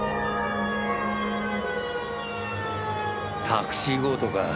タクシー強盗か。